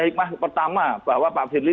hikmah pertama bahwa pak firly